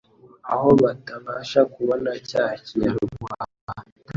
aho batabasha kubona cya Kinyarwanda.